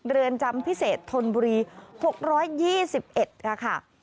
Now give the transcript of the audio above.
เรือนจำพิเศษธนบุรี๖๒๑ค่ะ